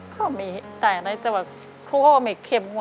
ก็มีจ่ายอะไรแต่ว่าทุกห้อไม่เข็มหัว